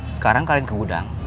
sekarang kalian ke gudang